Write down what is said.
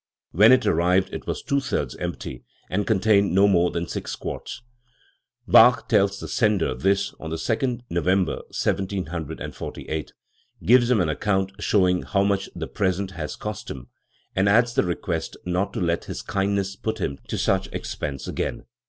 When it arrived it was two thirds empty, and contained no more than six quarts. Bach tells the sender this on the and November 1748, gives him an account showing how much the present has cost him, and adds the request not to let his kindness put him to such expense again.